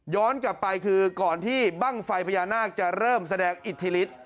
กลับไปคือก่อนที่บ้างไฟพญานาคจะเริ่มแสดงอิทธิฤทธิ์